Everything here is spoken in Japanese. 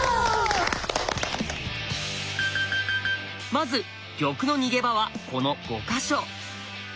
まず玉の逃げ場はこの５か所。